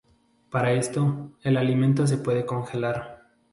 Para esto, el alimento se puede congelar.